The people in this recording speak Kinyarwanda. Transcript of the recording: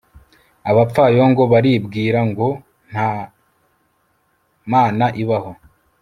abapfayongo baribwira ngo nta mana ibaho